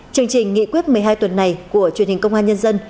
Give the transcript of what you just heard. chương trình nghị quyết một mươi hai tuần này của truyền hình công an nhân dân